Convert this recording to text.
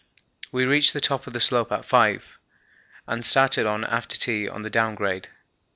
We reached the top of the slope at 5, and started on after tea on the down grade.